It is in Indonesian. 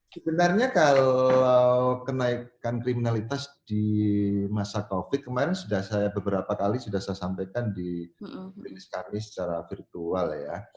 sebenarnya kalau kenaikan kriminalitas di masa covid kemarin sudah saya beberapa kali sudah saya sampaikan di linis kami secara virtual ya